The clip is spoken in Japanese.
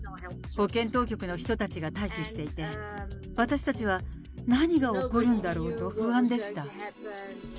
保健当局の人たちが待機していて、私たちは何が起こるんだろうと不安でした。